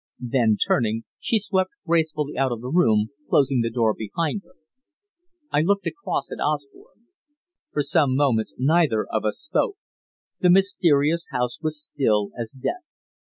Then, turning, she swept gracefully out of the room, closing the door behind her. I looked across at Osborne. For some moments neither of us spoke. The mysterious house was still as death.